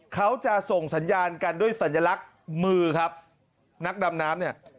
เขาจะส่งสัญญาณกันด้วยสัญลักษณ์มือครับนักดำน้ำเนี่ย